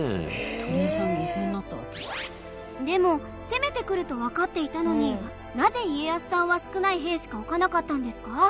「鳥居さん犠牲になったわけ」でも攻めてくるとわかっていたのになぜ家康さんは少ない兵しか置かなかったんですか？